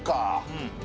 うん